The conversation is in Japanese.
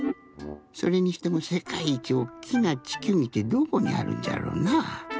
それにしてもせかいいちおっきなちきゅうぎってどこにあるんじゃろうなあ。